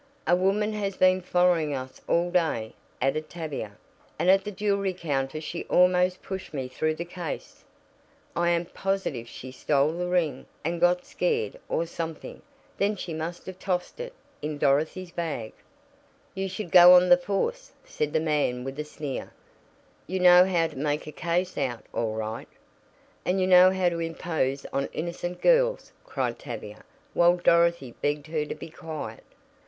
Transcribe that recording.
"A woman has been following us all day," added Tavia, "and at the jewelry counter she almost pushed me through the case. I am positive she stole the ring, and got scared, or something. Then she must have tossed it in Dorothy's bag." "You should go on the force," said the man with a sneer. "You know how to make a case out, all right." "And you know how to impose on innocent girls," cried Tavia, while Dorothy begged her to be quiet.